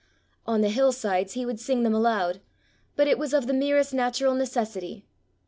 On the hill sides he would sing them aloud, but it was of the merest natural necessity.